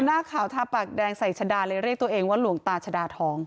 หน้าขาวทาปากแดงใส่ชะดาเลยเรียกตัวเองว่าหลวงตาชดาทอง